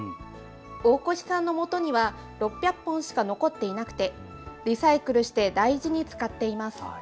大越さんのもとには６００本しか残っていなくてリサイクルして大事に使っています。